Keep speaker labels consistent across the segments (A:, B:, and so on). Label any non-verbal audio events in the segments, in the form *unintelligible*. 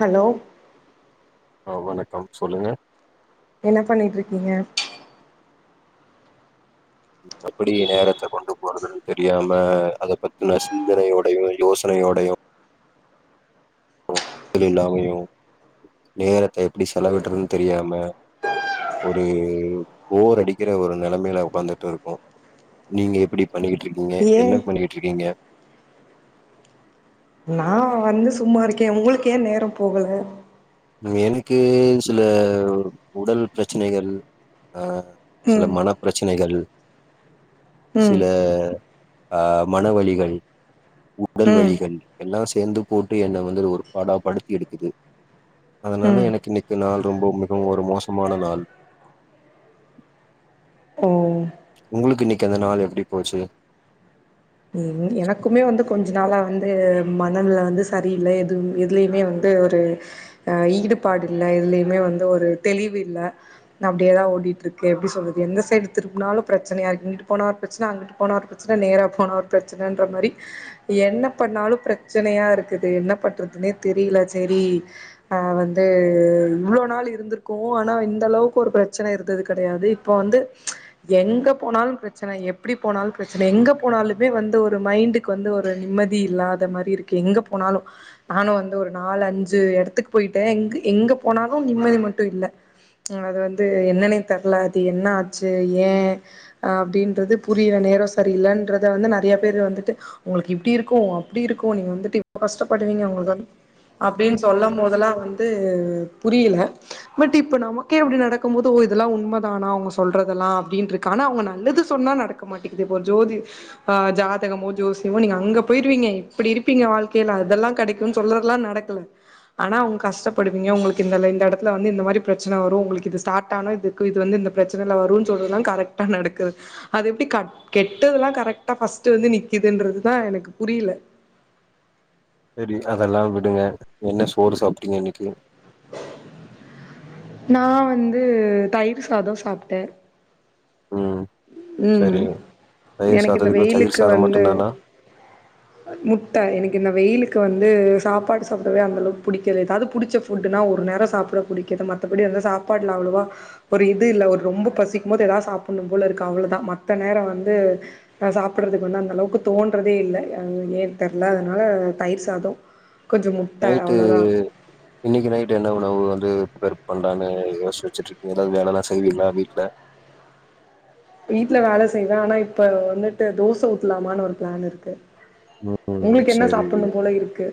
A: hello
B: ஆ வணக்கம் சொல்லுங்க
A: என்ன பண்ணிட்ருக்கீங்க
B: எப்டி நேரத்த கொண்டு போறதுன் தெரியாம அத பத்தினா சிந்தனையோடையு யோசனையோடையு *unintelligible* இல்லாமையும் நேரத்தை எப்டி செலவிடுறன்னு தெரியாம ஒரு போர் அடிக்கிற ஒரு நிலைமையில உகாந்துட்டு இருக்கோம் நீங்க எப்டி பண்ணிக்கிட்டு இருக்கீங்க
A: ஏ
B: என்ன பண்ணி ட்டு இருக்கீங்க
A: நா வந்து சும்மா இருக்கே உங்களுக்கு ஏன் நேரம் போகல
B: எனக்கு சில உடல் பிரச்சனைகள் ஆ சில
A: ம்
B: மனப் பிரச்சனைகள்
A: ம்
B: சில ஆ மன வலிகள் உடல்
A: ம்
B: வழிகள் எல்லாம் சேந்து போட்டு என்ன வந்து ஒரு பாாடா படுத்தி எடுக்குது அதனால
A: ம்
B: எனக்கு இன்னைக்கு நாள் ரொம்ப மிகவும் ஒரு மோசமான நாள்
A: ஓ
B: உங்களுக்கு இன்னைக்கி அந்த நாள் எப்டி போச்சு
A: எனக்குமே வந்து கொஞ்ச நாளா வந்து மனநல வந்து சரியில்ல எது எதுலேயுமே வந்து ஒரு ஹ ஈடுபாடு இல்ல இதுலயுமே வந்து ஒரு தெளிவு இல்ல அப்டியேதா ஓடிட்டு இருக்கு எப்டி சொல்றது எந்த சைடு திருப்பினாலு பிரச்சனை யாக்கு இங்கிட்டு போனா பிரச்சனை அங்கட்டு போன ஒரு பிரச்சனை நேரா போன ஒரு பிரச் ன்ற மாதிரி என்ன பண்ணாலு பிரச்சனையா இருக்குது என்ன பண்றதுன்னே தெரியல சேரி ஆஹ வந்து இவ்வளோவு நாள் இருந்திருக்கோ ஆனா இந்த அளவுக்கு ஒரு பிரச்சனை இருந்தது கெடையாது இப்ப வந்து எங்க போனாலு பிரச்சன எப்டி போனாலு பிரச்சன எங்க போனாலுமே வந்து ஒரு மைண்டுக்கு வந்து ஒரு நிம்மதி இல்லாத மாரி இருக்கு எங்க போனாலு நானு வந்து ஒரு நாலு அஞ்சு எடத்துக்கு போயிட்டே எங்க போனாலு நிம்மதி மட்டு இல்ல அது வந்து என்னனே தெர்ல து என்ன ஆச்சு ஏ அப்டின்றது புரிய நேர சரி இல்ன்றத வந்து நெறைய பேர் வந்துட்டு உங்களுக்கு இப்டி இருக்கு அப்டி இருக்கு நீங்க வந்துட்டு ப கஷ் படுவிங்க உங்க அப்டின்னு சொல்ல போதெல்லா வந்து புரியில பட் இப்ப நமக்கே அப்டி நடக்கும் போது ஓ இதெல்லா உண்மதானா அவங்க சொல்றதெல்லா அப்டின்னு இருக்கு ஆனா அவங்க நல்லது சொன்னா நடக்க மாட்டேக்குது இப்போ ஜோதி ஆஹ் ஜா புத்தகமோ ஜோசோ நீங்க அங்க போயிருவீங்க இப்டி இருப்பீங்க வாழ்க்கையில அதெல்லா கடைக்கு சொல்றதுல்லா நடக்கல ஆனா அவங்க கஷ்டப்படுவிங்க உங்களுக்கு இந்த எடத்துல வந்து இந்த மாதிரி பிரச்சனை வரு உங்களுக்கு ஆது பிரச்ச வரு சொறா கரெகா நடக்குது அது எப்டி கெட்டல்லா கரெக்ட்டா இது வந்து நிக்குதுன்றதுதா எனக்கு புரில
B: சரி அதெல்லா விடுங்க என்ன சோறு சாப்ட்டீங்க இன்னக்கி
A: நா வந்து தயிர் சாத சாப்ட
B: ம்
A: ம்
B: சரி தயிர்
A: எனக்கு இந்த
B: சாதத்துக்கு தயிர்
A: வெயிலுக்கு
B: சாதம்
A: வந்து
B: மட்டுந்தானா
A: முட்ட எனக்கு இந்த வெயிலு க்கு வந்து சாப்பாடு சாப்டவே அந்தளவுக்கு புடிக்கல ஏதாவது புடிச்ச ஃபுட் னா ஒரு நேரம் சாப்ட புடிக்கிது மத்தபடி வந்த சாப்பாடுல அவ்ளோவா ஒரு இது இல்ல ஒரு ரொம்ப பசிக்கும் போது ஏதாவது சாப்பனு வ்ளோதுக்கா அவ்ளோதா மத்த நேர வந்து சாப்பிட்றதுக்கு வந்து அந்த அளவுக்கு தோன்றதே இல்ல ஏன் தெர்ல அதனால தயிர் சாத
B: நைட்டு இன்னைக்கு நைட்டு என்ன உணவு வந்து *unintelligible* கொண்டானனு யோசிச்சு வச்சுட்டு இருக்கீங்க ஏதாவது வேல எல்லா செய்வீல வீட்ல
A: வீட்டுல வேல செய்வ ஆனா இப்ப வந்துட்டு தோச ஊத்தலாமான்னு ஒரு பிளான் இருக்கு
B: ம்
A: உங்களுக்கு என்ன
B: சரி
A: சாப்புட்ணும் போல இருக்கு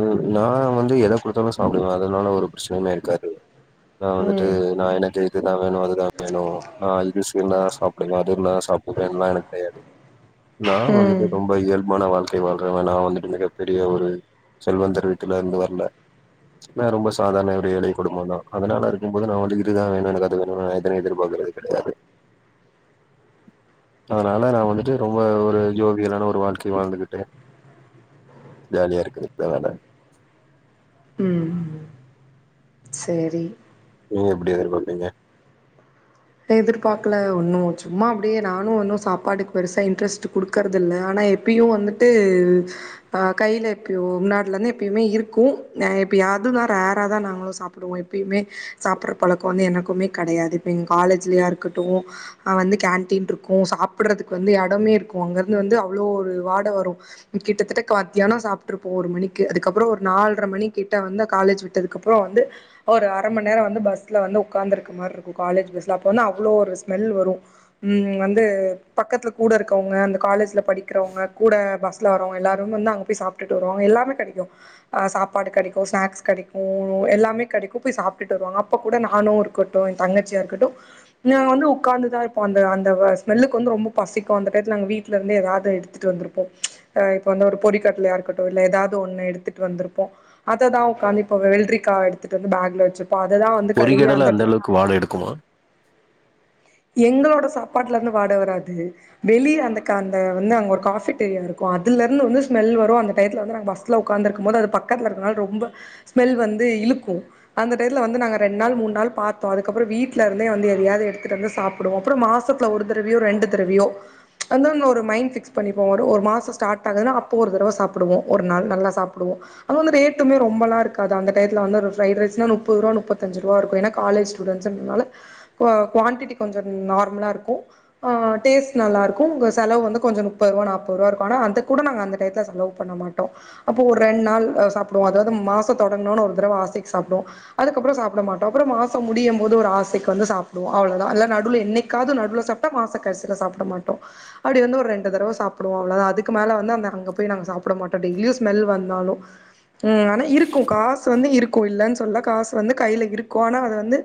B: உம் நா வந்து எத கொடுத்தாலு ச ப்டுவே அதனால ஒரு பிரச்சனையுமே இருக்காது நா வந்துட்டு
A: ம்
B: நா எனக்கு இதுதா வேணு அதுதா வேணு ஆஹ் இது ன்னா சாப்டுவன் அதுன்ன சாப்பிடுவேல்லா எனக்கு தெரியாது நா வந்துட்டு
A: ம்
B: ரொம்பா இயல்பானவ றன் நான் வந்துட்டு மிகப்பெரிய ஒரு செல்வந்தர் விட்டுல இருந்து வரல நா ரொம்ப சாதாரண ஒரு ஏழை குடும்பம் தா அதனால இருக்கும்போது நா வந்து இதா வேணு எனக்குை வேணும்ன் எனை எதிர்பார்க்கறது கெடையாது அதனால நா வந்துட்டு ரொம்ப ஒரு ஜோவியலான ஒரு வாழ்க்கை வாழ்ந்துகிட்டே ஜாலியா இருக்குது ப்ப வேல
A: உம் சரி
B: நீங்க எப்டி எதிர் பாப்பிங்க
A: எதிர்பார்க்கல ஒன்னு சும்மா அப்டியே நானு ஒன்னு சாப்பாடுக்கு பெருசா இன்ட்ரெஸ்ட் குடுக்கறதுல்ல ஆனா எப்பயு வந்துட்டு அஹ் கையில எப்பியோ உநாட்டுல இருந்து எப்பயுமே இருக்கு எப்பியாவது தா ரேரா தா நாங்களு சாப்டுவோ எப்பயுமே சாப்பற பழக்க வந்து எனக்குமே கெடையாது காலேஜ்லய இருக்கட்டு அஹ் வந்து கேன்டீன் இருக்கு சாப்பிறதுக்கு வந்து இடமே இருக்கு அங்க இருந்து வந்து அவ்ளோ ஒரு வாட வரும் கிட்டத்தட்ட மத்தியான சாப்ட்டுருப்போ ஒரு மணிக்கு அதுக்கப்ற ஒரு நால்ர மணி கிட்ட வந்து காலேஜ் விட்டதுக்கப்புற வந்து ஒரு அரை மண்நேர வந்து பஸ்ல வந்து உகார்ந்துருக்க மாரி இருக்கு காலேஜ் பஸ் ப்ப வந்து அவ்ளோ ஒரு ஸ்மெல் வரும் உம் வந்து பக்கத்துல கூட இருக்கவங்க அந்த காலேஜ்ல படிக்கிறவங்க கூட பஸ்ல வரவங்க எல்லாரு வந்து அங்க போய் சாப்டுட்டு வருவோ எல்லாமே கடைக்கு ஹ சாப்பாடு கடைக்கு ஸ்நாக்ஸ் கடைக்கு எல்லாமே கடைக்கு போய் சாப்ட்டுட்டு வருவாங்க அப் ப்ப கூட நானு இருக் டு தங்கச்சியா இருக்கட் நா வந்து உட்காந்துதான் இப்போ அந்த அந்த ஸ்மெல்லுக்கு வந்து ரொம்ப பசிக்கு அந்த டைத்துல நாங்க வீட்டுல இருந்து எதாவது எடுத்துட்டு வந்தப்போ அஹ் இப்ப வந்து ஒரு பொறிக்கட்டலையயா இருக்கட்டு இல்ல ஏதாவது ஒண்ணு எடுத்துட்டுந்திருப்போ அததா உக்காந்து இப்ப வெல்ரிக்காய் எடுத்துட்டு வந்து பேக்ல வச்
B: பொறிகடலை அந்த அளவுக்கு வாட எடுக்குமா
A: எங்களோட சாப்பாட்டுல இருந்து வாட வராது வெளிய அந்த அந்த க வந்து அங்க ஒரு காஃபிடீரியா இருக்கு அதுல இருந்து வந்து ஸ்மெல் வரு அந்த டத்துல வந்து நாங்க பஸ்ல உக்காந்து இருக்கு போது அது பக்கத்துல இருக்கனால ரொம்ப ஸ்மெல் வந்து இழுக்கு அந்த டயத்துல வந்து நாங்க ரெண்டு நாள் மூணு நாள் பாத்தோ அதுக்கப்பற வீடல இருந்தே வந்து எரியாவது எடுத்து எங்க சாப்டுவோ அப்ரோ மாசத்துல எங்க ஒரு தடவயோ ரெண்டு தடவயோ அந்த அந்த ஒரு மைண்ட் பிக்ஸ் பண்ணிப்போ ஒ ஒரு மாச ஸ்டார்ட் ஆகுதுனா அப்போ ஒரு தடவ சாப்டுவோ ஒரு நாள் நல்லா சாப்டுவோ அதுமே ரேட்டுமே ரொம்பல இருக்காது அந்த டைத்துல வந்து பிரைட் ரைஸ்னா நுப்பது ருவா நுப்பத்தஞ்சு ருவா இருக்கு ஏனா காலேஜ் ஸ்டுடென்ட்ஸ்ன்ரனால *unintelligible* குவான்டிட்டி கொஞ்ச நார்மலாக இருக்கும் டேஸ்ட் நல்லாருக்கு உங்க செலவு வந்து கொஞ்ச முப்பது ரூவா நாற்பது ரூவா இருக்கு ஆனா அது கூட நாங்க அந்த டத்துல செலவு பண்ண மாட்டோ அப்போ ஒரு ரெண்டு நாள் சாப்டுவோ அதாவது மாத தொடங்கணுன்னு ஒரு தடவ ஆசக்கு சாப்டுவோ அதுக்கப்ற சாப்ட மாட்டோ அப்ற மாச முடியு போது ஒரு ஆசக்கு வந்து *inaudible* அவ்ளத நடுவுவில என்னைக்காவது நடுவில சாப்ட்டா மாச கரிசியில சாப்பிட மாட்டோம் அப்படி வந்து ஒரு ரெண்டு தடவை சாப்டுவோ அவ்ளவு அதுக்கு மேல வந்து அந்த அங்க போய் நாங்க சாப்பிட மாட்டோ டெய்லியு மெ வந்தாலும் உம் ஆனா இருக்கும் காசு வந்து இருக்கு இல்லு சொல்ல காசு வந்து கையில இருக்கு ஆனா அது வந்து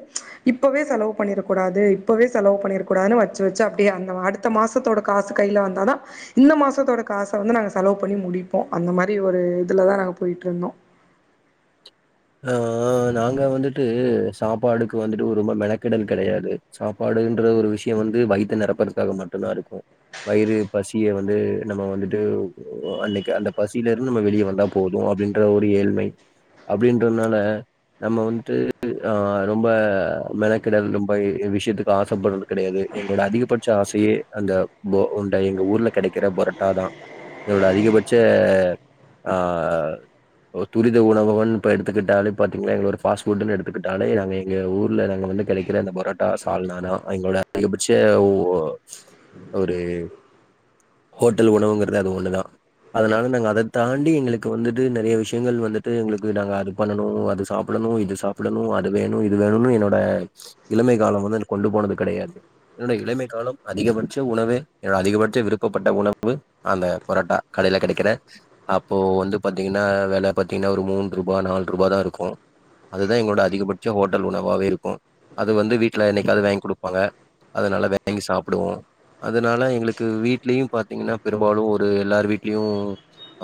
A: இப்பவே செலவு பண்ணிடக்கூடாது இப்பவே செலவு பண்ணிருக்கூடாதுன்னு வச்சு வச்சு அப்டியே அந்த அடுத்த மாசத்தோட காசு கையில வந்தாதா இந்த மாசத்தோட காசை வந்து நாங்க செலவு பண்ணி முடிப்போ அந்த மாரி ஒரு இதுலதா நாங்க போயிட்ருந்தோ
B: ஆஹ் நாங்க வந்துட்டு சாப்பாடுக்கு வந்துட்டு ரொம்ப மெனக்கெடல் கிடையாது சாப்பாடுன்ற ஒரு விஷயம் வந்து வயிறத்தறு நெரப்பதுக்காக மட்டுந்தா இருக்கு வயிறு பசிய வந்து நம்ம வந்துட்டு அன்னைக்கு அந்த பசியில இருந்து நம்ம வெளியே வந்தா போது அப்டின்ற ஒரு ஏழ்மை அப்படின்றதுனால நம்ம வந்துட்டு ஆஹ ரொம்ப மெனகிடல் ரொம்ப விஷயத்துக்கு ஆசைப்படுறது கெடையாது எங்களோட அதிகபட்ச ஆசையே அந்த அ உண்ட எங்கள் ஊர்ல கெடைக்கிற பொரட்டா தா எங்களோட அதிகபட்ச ஆஹ் ஒ துரித உணவுன் இப்ப எடுத்துக்கிட்டால எத்துக்கிட்ட எ ஊர்ல வ கெடைக்கிற அ பரோட்டா சால்ன தா எங்களோட அதிகபட்ச ஒரு ஹோட்டல் உணவுங்கிறது அது ஒண்ணதா அதனால நா அதை தாண்டி எங்களுக்கு வந்துட்டு நெறைய விஷயங்கள் வந்துட்டு டாங்க அது பண்ணனு அது சாப்படணு இது சாப்படணு அது வேணு இது வேணும்னு என்னோட இளமை கால வந்து கொண்டு போனது கெடையாது என்னோட இளமை கால அதிகபட்ச உணவு அதிகபட்ச விருப்பப்பட்ட உணவு அந்த பொரோட்டா கடையில கெடைக்கிற அப்போ வந்து பாத்தீங்கன்னா வேல பாத்தீங்கன்னா ஒரு மூ ரூபாய் நாலு ரூபாய தா இருக்கும் அதுதா எங்களோட அதிகபட்ச ஹோட்டல் உணவாவே இருக்கும் அது வந்து வீட்ல என்னைக்காவது வாங்கி குடுப்பாங்க அதனால வாங்கி சாப்பிடுவோம் அதனால எங்களுக்கு வீட்லயும் பாத்தீங்கன்னா பெரும்பாலும் ஒரு எல்லார் வீட்லயும்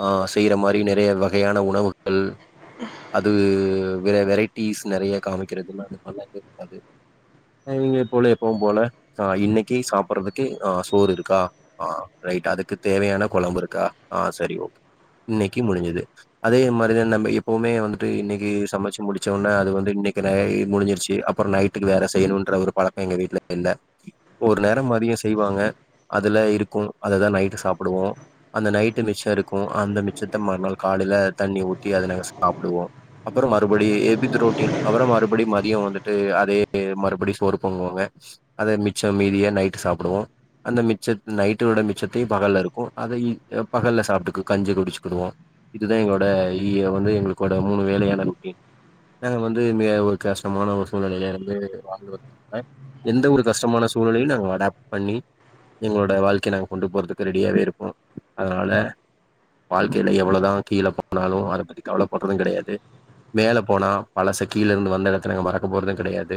B: ஆ செய்யற மாரி நெறைய வகையான உணவுகள் அது வெ வெரைட்டிஸ் நறைய காமிக்கிறதுன்ன நல்ல இருக்காது இவங்க போல எப்வும் போல ஆ இன்னைக்கு சாப்பிடுறதுக்கு ஆ சோறு இருக்கா ஆ ரைட் அதுக்கு தேவையான குழம்பு இருக்கா ஆ சரி ஓகே இன்னைக்கு முடிஞ்சது அதே மாரிதா நம்ம எப் எப்போவுமே வந்துட்டு இன்னைக்கு சமைச்சு முடிச்ச உடனே அது வந்து இன்னைக்கு முடிஞ்சிருச்சு அப்புறம் நைட்டுக்கு வேற செய்யணுன்ற ஒரு பழக்கம் எங்கள் வீட்ல இல்லை ஒரு நேரம் அதிகம் செய்வாங்க அதுல இருக்கும் அதைதா நைட்டு சாப்பிடுவோம் அந்த நைட்டு மிச்சம் இருக்கும் அந்த மிச்சத்தை மறுநாள் காலைல தண்ணி ஊற்றி அதை நாங்க சாப்பிடுவோம் அப்பறம் மறுபடி எப்டி இது ரொட்டீன் அப்பறம் மறுபடியும் மதியம் வந்துட்டு அதே மறுபடி சோறு பொங்குவாங்க அதை மிச்சம் மீதியா நைட்டு சாப்பிடுவோம் அந்த மிச்ச நைட்டோட மிச்சத்தையும் பகல்ல இருக்கும் அதை பகல்ல சாப்பிட்டுக்கு கஞ்சி குடிச்சுக்கிடுவோம் இதுதா எங்களோட இய வந்து எங்களோட மூணு வேலயான மீல் நாங்க வந்து மிக ஒரு கஷ்டமான ஒரு சூழ்நில இருந்து வாழ்ந்து வந்தவங்க எந்த ஒரு கஷ்டமான சூழ்நிலையும் நாங்க அடாப் பண்ணி எங்களோட வாழ்க்கைய நாங்க கொண்டு போறதுக்கு ரெடியாகவே இருப்போம் அதனால வாழ்க்கில எவ்ளோதா கீழே போனாலும் ஆரம்ப கவலைப்படுறதும் கடையாது மேலே போனா பழச கிழ இருந்து வந்த இடத்துல நாங்க மறக்க போறதும் கிடையாது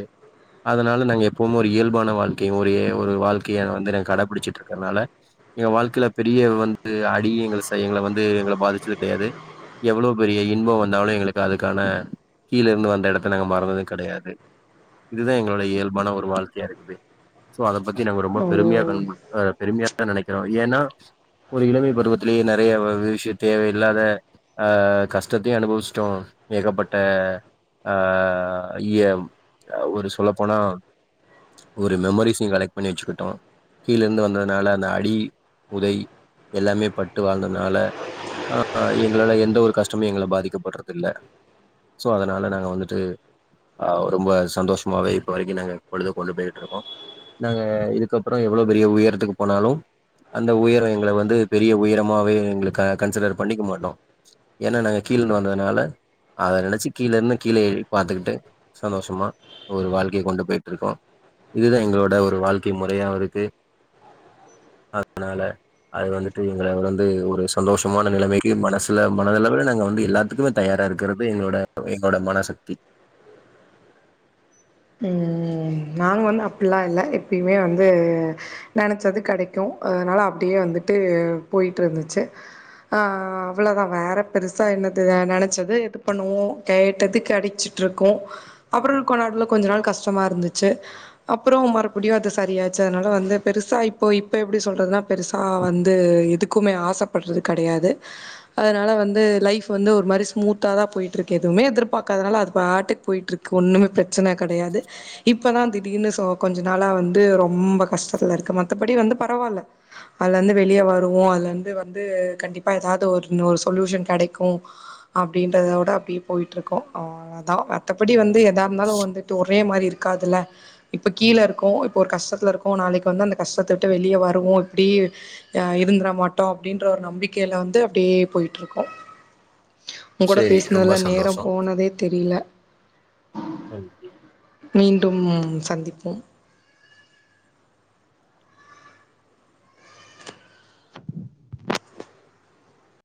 B: அதனால நாங்க எப்வும் ஒரு இயல்பான வாழ்க்கையையும் ஒரு வாழ்க்கைய வந்து கடைபிடிச்சிட்டு இருக்கிறதுனால எங்க வாழ்க்கைல பெரிய வந்து அடி எங்கள ச எங்கள வந்து எங்கள பாதிச்சது கடையாது எவ்ளோ பெரிய இன்பம் வந்தாலும் எங்களுக்கு அதுக்கான கீழ இருந்து வந்த இடத்த நாங்க மறந்தது கடையாது இதுதா எங்களோட இயல்பான ஒரு வாழ்க்கையா இருக்குது சோ அத பத்தி நாங்க ரொம்ப பெருமையா க
A: ஓ
B: பெருமையா நனைக்கிறோம் ஏன்னா ஒரு இளமை பருவத்திலேயே நறைய விஷய தேவையில்லாத ஆ கஷ்டத்தையும் அனுபவிச்சட்டோம் ஏகப்பட்ட அ இய ஒரு சொல்லப்போனா ஒரு மெமரிசையும் கலெக்ட் பண்ணி வச்சுக்கிட்டோம் கீழேருந்து வந்ததுனால அந்த அடி உதை எல்லாமே பட்டு வாழ்ந்ததுனால ஆ எங்களால எந்த ஒரு கஷ்ட டமும் எங்கள பாதிக்கப்பட்றது இல்ல சோ அதனால நாங்க வந்துட்டு ஆ ரொம்ப சந்தோஷமாவே இப்ப வரைக்கும் நாங்க பொழுது கொண்டு போயிட்டு இருக்கோம் நாங்க இதுக்கப்புறம் எவ்ளோ பெரிய உயரத்துக்கு போனாலும் அந்த உயரம் எங்கள வந்து பெரிய உயரமாவே எங்க கன்சிடர் பண்ணிக்க மாட்டோம் ஏன்னா நாங்கள் கீழேு வந்ததுனால அத நினைச்சு கீழே இருந்து கீழே எழு பாத்துக்கிட்டு சந்தோஷமா ஒரு வாழ்க்கைய கொண்டு போய்ட்டு இருக்கோம் இதுதா எங்களோட ஒரு வாழ்க்கை முறையா இருக்கு அதனால அது வந்துட்டு எங்கள வந்து ஒரு சந்தோஷமான நிலைமைக்கு மனசுல மனதளவுல நாங்க வந்து எல்லாத்துக்குமே தயாரா இருக்கறது எங்களோட எங்களோட மனசக்தி
A: ம் நாங்க வந்து அப்பட்ல்லாம் இல்ல எப்பயுமே வந்து நனைச்சது கடைக்கும் அதனால அப்டியே வந்துட்டு போயிட்டு இருந்துச்சு ஆ அவ்ளோவுதா வேற பெருசா என்னது நினைச்சது இது பண்ணுவோம் கேட்டது கிடைச்சிட்டு இருக்கும் அப்புறம் கொஞ்ச நாள்ல கொஞ்ச நாள் கஷ்டமா இருந்துச்சு அப்பறோ மறுபடியும் அது சரியாச்சு அதனால வந்து பெருசா இப்ப இப்ப எப்படி சொல்றதுனா பெருசா வந்து எதுக்குமே ஆசைப்படுறது கடையாது அதனால வந்து லைஃப் வந்து ஒரு மாரி ஸ்மூத்தா தா போயிட்டு இருக்கு எதுவுமே எதிர்பாக்காதனால அது பாட்டுக்கு போயிட்டு இருக்கு ஒண்ணமே பிரச்ச பிரச்சன கடையாது இப்பதா திடீர்னு கொஞ்ச நாள வந்து ரொம்ப கஷ்டத்துல இருக்கு மத்தபடி வந்து பரவாயில்ல அதுலருந்து வெளியே வருவோம் அதுலருந்து வந்து கண்டிப்பா ஏதாவது ஒரு ஒரு சொல்யூஷன் கடைக்கும் அப்டின்றத விட அப்டியே போயிட்டு இருக்கும் அவ்ளோதா மத்தபடி வந்து எதாவது இருந்தாலும் வந்துட்டு ஒரே மாரி இருக்காதுல்ல இப்ப கீழே இருக்கும் இப்போ ஒரு கஷ்டத்துல இருக்கோ நாளைக்கு வந்து அந்த கஷ்டத்தை விட்டு வெளியே வருவோம் இப்டி அ இருந்துர மாட்டோம் அப்டின்ற ஒரு நம்பிக்கையில வந்து அப்டியே போயிட்டு இருக்கோம் உன் கூட
B: சரி ரொம்ப
A: பேசினதுல நேரம்
B: சந்தோஷம்
A: போனதே தெரியல
B: *unintelligible*
A: மீண்டும் சந்திப்போம்